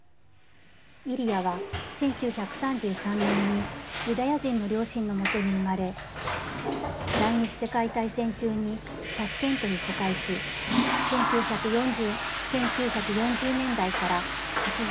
イリヤは１９３３年にユダヤ人の両親のもとに生まれ第２次世界大戦中にタシケントに疎開し１９４０年代から８０年代半ばまでモスクワで暮らし